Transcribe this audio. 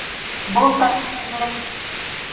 Был тәртипһеҙлек!